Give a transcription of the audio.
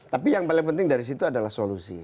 tapi yang paling penting dari situ adalah solusi